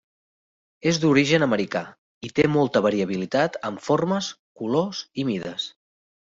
És d'origen americà i té molta variabilitat en formes colors i mides.